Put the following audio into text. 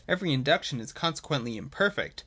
Every Induction is consequently imperfect.